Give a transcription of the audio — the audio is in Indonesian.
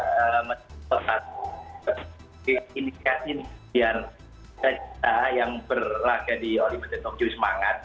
saya juga ingin memperhatikan ini biar kita yang berlaku di olimpi tokyo semangat